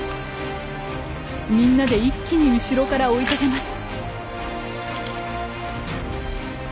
みんなで一気に後ろから追い立てます。